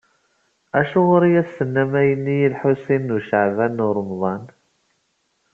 Acuɣer i as-tennamt ayenni i Lḥusin n Caɛban u Ṛemḍan?